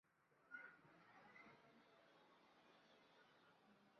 以此得来的收入让建筑师有足够的预算保证成事。